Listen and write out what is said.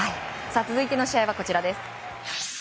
続いての試合はこちら。